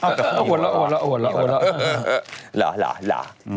เนี่ยโอ่นหรอ